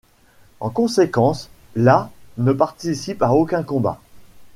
En conséquence, la ne participe à aucun combat.